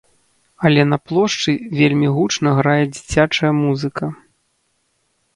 Але на плошчы вельмі гучна грае дзіцячая музыка.